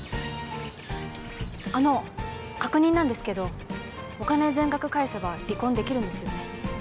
あの確認なんですけどお金全額返せば離婚できるんですよね？